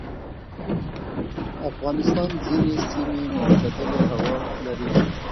افغانستان ځینې سیمې معتدلې هوا لري.